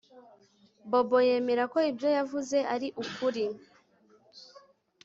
Bobo yemera ko ibyo yavuze ari ukuri